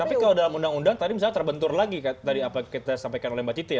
tapi kalau dalam undang undang tadi misalnya terbentur lagi tadi apa kita sampaikan oleh mbak titi ya